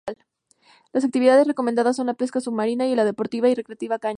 Las actividades recomendadas son la pesca submarina y la deportiva o recreativa a caña.